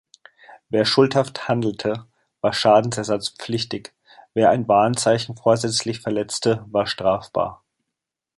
Wer schuldhaft handelte, war schadensersatzpflichtig; wer ein Warenzeichen vorsätzlich verletzte, war strafbar.